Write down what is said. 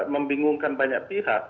membingungkan banyak pihak